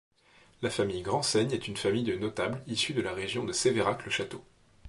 La famille Gransaigne est une famille de notables issue de la région de Sévérac-le-Château.